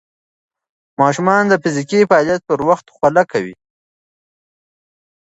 ماشومان د فزیکي فعالیت پر وخت خوله کوي.